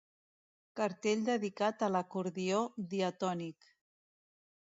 Cartell dedicat a l'acordió diatònic.